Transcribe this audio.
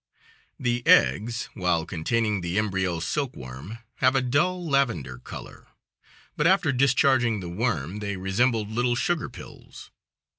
The eggs, while containing the embryo silk worm, have a dull lavender color, but after discharging the worm they resembled little sugar pills.